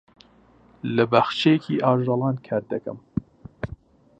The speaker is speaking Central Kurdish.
لە باخچەیەکی ئاژەڵان کار دەکەم.